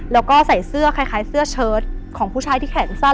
แล้วก็ใส่เสื้อคล้ายเสื้อเชิดของผู้ชายที่แขนสั้น